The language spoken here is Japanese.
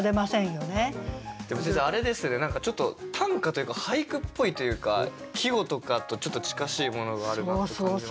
でも先生あれですね何かちょっと短歌というか俳句っぽいというか季語とかと近しいものがあるなと感じますね。